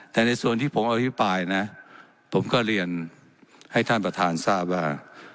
แต่ในส่วนที่ผมอภิปรายนะผมก็เรียนให้ท่านประธานทราบว่า